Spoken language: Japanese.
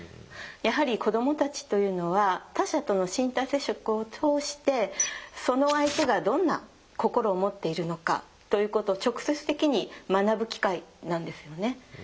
やはり子供たちというのは他者との身体接触を通してその相手がどんな心を持っているのかということを直接的に学ぶ機会なんですよね。